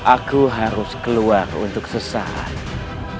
aku harus keluar untuk sesaat